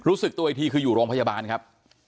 รู้สึกตัวอีกทีคืออยู่โรงพยาบาลครับ